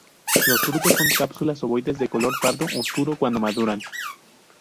Los frutos son cápsulas ovoides de color pardo oscuro cuando maduran.